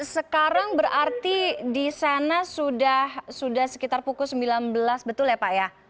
sekarang berarti di sana sudah sekitar pukul sembilan belas betul ya pak ya